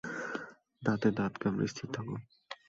দাঁতে দাঁত কামড়ে স্থির থাক।